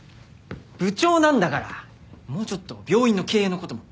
部長なんだからもうちょっと病院の経営の事も考えてください。